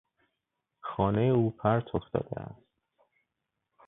خانهٔ او پرت افتاده است.